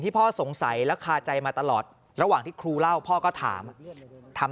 พ่อสงสัยและคาใจมาตลอดระหว่างที่ครูเล่าพ่อก็ถามทำ